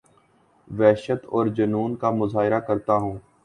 وحشت اورجنون کا مظاہرہ کرتا ہوں